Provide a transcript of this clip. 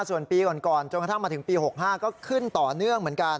ส่วนปีก่อนจนกระทั่งมาถึงปี๖๕ก็ขึ้นต่อเนื่องเหมือนกัน